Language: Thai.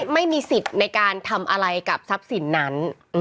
ไม่มีสิทธิ์ในการทำอะไรกับทรัพย์สินนั้น